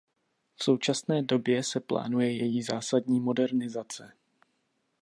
V současné době se plánuje její zásadní modernizace.